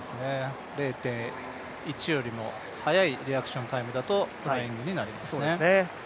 ０．１よりも速いリアクションタイムだと、フライングになりますね。